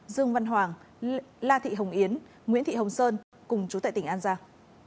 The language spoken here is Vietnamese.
dương văn hoàng la thị hồng yến nguyễn thị hồng sơn cùng chú tại tỉnh an giang